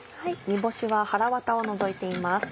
煮干しは腹ワタを除いています。